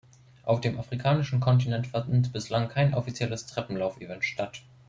Auf dem afrikanischen Kontinent fand bislang kein offizielles Treppenlauf-Event statt.